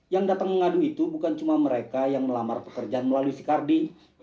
yang datang mengadu itu bukan cuma mereka yang melamar pekerjaan melalui charding